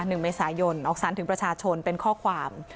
หนึ่งเมษายนออกสารถึงประชาชนเป็นข้อความ